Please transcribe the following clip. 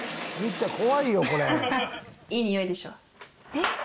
「えっ？」